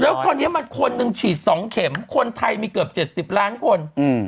แล้วคราวนี้มันคนหนึ่งฉีด๒เข็มคนไทยมีเกือบ๗๐ล้านคน